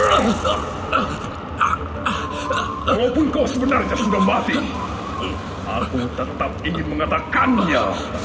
walaupun kau sebenarnya sudah mati aku tetap ingin mengatakannya